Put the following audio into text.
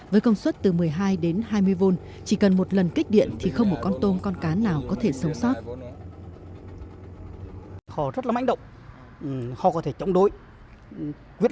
với công suất từ một mươi hai đến hai mươi vun chỉ cần một lần kích điện thì không một con tôm con cá nào có thể sống sót